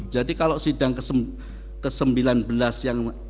jadi kalau sidang ke sembilan belas yang